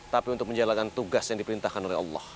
tapi untuk menjalankan tugas yang diperintahkan oleh allah